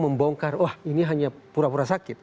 membongkar wah ini hanya pura pura sakit